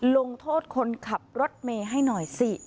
ลงโทษคนขับรถเมย์ให้หน่อยสิ